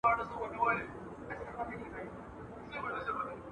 د مېوو خوړل روغتیا ده.